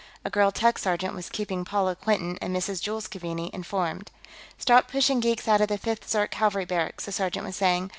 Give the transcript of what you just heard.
A girl tech sergeant was keeping Paula Quinton and Mrs. Jules Keaveney informed. "Start pushing geeks out of the Fifth Zirk Cavalry barracks," the sergeant was saying.